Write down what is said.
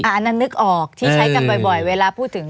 อันนั้นนึกออกที่ใช้กันบ่อยเวลาพูดถึง